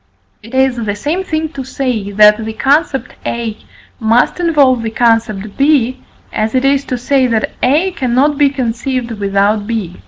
It is the same thing to say, that the concept A must involve the concept B, as it is to say, that A cannot be conceived without B.